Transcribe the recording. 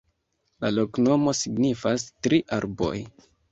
La loknomo signifas: tri arboj.